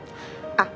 あっ。